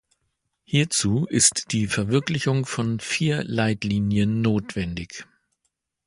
Hierzu ist die Verwirklichung von vier Leitlinien notwendig.